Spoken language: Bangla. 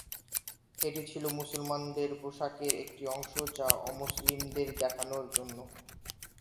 এটি ছিল মুসলমানদের পোশাকের একটি অংশ যা অমুসলিমদের দেখানোর জন্য।